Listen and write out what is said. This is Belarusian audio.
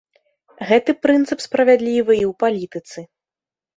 Гэты прынцып справядлівы і ў палітыцы.